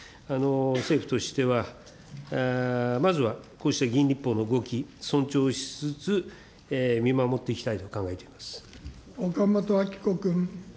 政府としてはまずはこうした議員立法の動き、尊重しつつ、見守っ岡本あき子君。